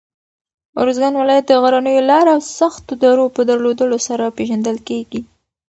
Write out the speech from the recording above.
اروزګان ولایت د غرنیو لاره او سختو درو په درلودلو سره پېژندل کېږي.